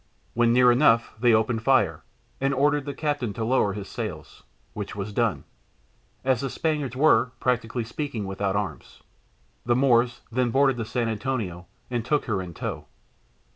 When near enough they opened fire, and ordered the captain to lower his sails, which was done, as the Spaniards were, practically speaking, without arms. The Moors then boarded the San Antonio and took her in tow.